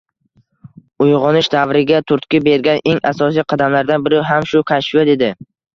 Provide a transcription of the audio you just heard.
Uygʻonish davriga turtki bergan eng asosiy qadamlardan biri ham ushbu kashfiyot edi.